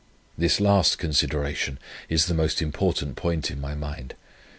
This last consideration is the most important point in my mind.